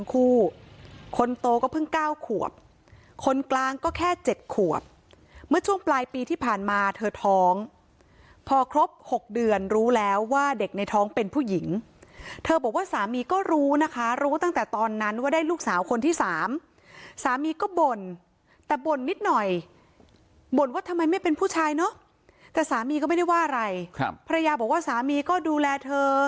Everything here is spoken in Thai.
คู่คนโตก็เพิ่ง๙ขวบคนกลางก็แค่๗ขวบเมื่อช่วงปลายปีที่ผ่านมาเธอท้องพอครบ๖เดือนรู้แล้วว่าเด็กในท้องเป็นผู้หญิงเธอบอกว่าสามีก็รู้นะคะรู้ตั้งแต่ตอนนั้นว่าได้ลูกสาวคนที่สามสามีก็บ่นแต่บ่นนิดหน่อยบ่นว่าทำไมไม่เป็นผู้ชายเนอะแต่สามีก็ไม่ได้ว่าอะไรครับภรรยาบอกว่าสามีก็ดูแลเธอ